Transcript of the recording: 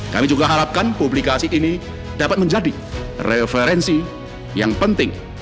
kami juga harapkan publikasi ini dapat menjadi referensi yang penting